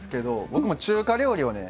僕も中華料理をね